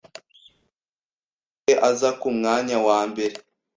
aho yahise aza ku mwanya wa mbere